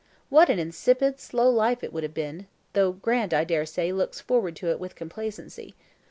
What an insipid slow life it would have been, though Grant, I dare say, looks forward to it with complacency.